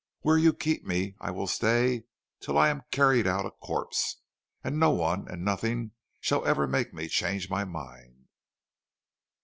Where you keep me I will stay till I am carried out a corpse, and no one and nothing shall ever make me change my mind.'